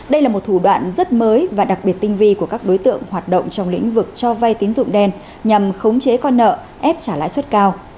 đây là một thủ đoạn rất mới và đặc biệt tinh vi của các đối tượng hoạt động trong lĩnh vực cho vay tín dụng đen nhằm khống chế con nợ ép trả lãi suất cao